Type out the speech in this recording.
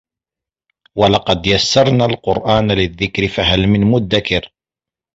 وَلَقَد يَسَّرنَا القُرآنَ لِلذِّكرِ فَهَل مِن مُدَّكِرٍ